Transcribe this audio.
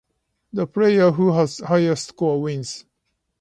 The player who has the highest score wins.